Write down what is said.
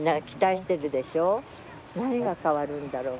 何が変わるんだろう？